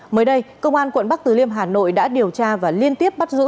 mới đây công an quận bắc từ liêm hà nội đã điều tra và liên tiếp bắt giữ